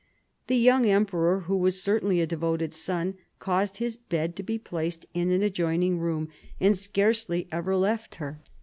The young emperor, who was certainly a devoted son, caused his bed to be placed in an adjoining room, and scarcely ever left her.